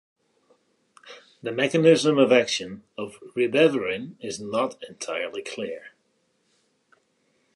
The mechanism of action of ribavirin is not entirely clear.